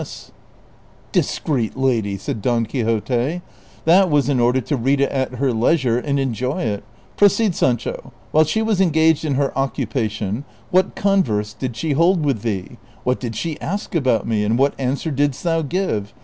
said Don Quixote ;" that was in order to read it at lier leisure and enjoy it ; proceed, Sancho ; while she was engaged in her occupation what converse did she hold with thee ? What did she ask about me, and what answer didst thou give